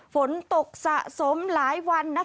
ฝนตกสะสมหลายวันนะคะ